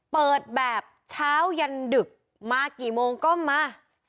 เปิดแบบเช้ายันดึกมากี่โมงก็มา